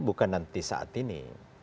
bukan nanti saat ini